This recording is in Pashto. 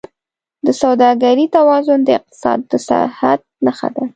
د سوداګرۍ توازن د اقتصاد د صحت نښه ده.